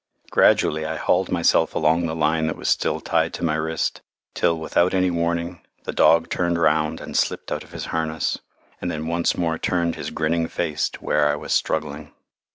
Gradually, I hauled myself along the line that was still tied to my wrist, till without any warning the dog turned round and slipped out of his harness, and then once more turned his grinning face to where I was struggling.